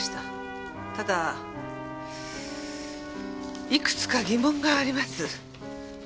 ただいくつか疑問があります。